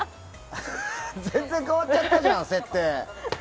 全然変わっちゃったじゃん、設定。